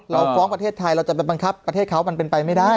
เราฟ้องประเทศไทยเราจะไปบังคับประเทศเขามันเป็นไปไม่ได้